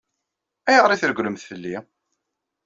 Ayɣer i tregglemt fell-i?